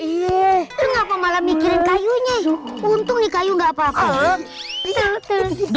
kenapa emes kenapa ini kong ya sakit